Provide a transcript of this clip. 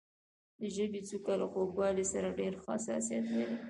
د ژبې څوکه له خوږوالي سره ډېر حساسیت لري.